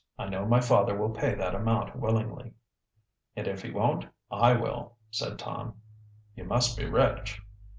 I know my father will pay that amount willingly." "And if he won't, I will," said Tom. "You must be rich."